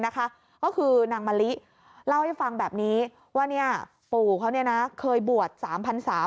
ก็คือนางมะลิเล่าให้ฟังแบบนี้ว่าปู่เขาเคยบวช๓พันศา